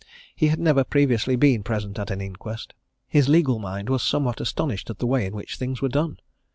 He had never previously been present at an inquest his legal mind was somewhat astonished at the way in which things were done.